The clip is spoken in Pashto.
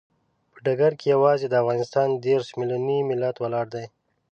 په ډګر کې یوازې د افغانستان دیرش ملیوني ملت ولاړ دی.